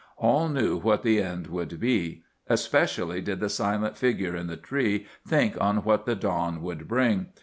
All knew what the end would be. Especially did the silent figure in the tree think on what the dawn would bring.